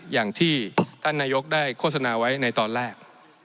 อย่างที่ท่านนายกได้โฆษณาไว้ในตอนแรก